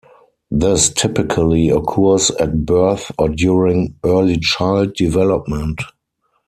This typically occurs at birth or during early child development.